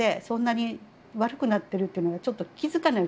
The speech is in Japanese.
そんなに悪くなっているっていうのがちょっと気付か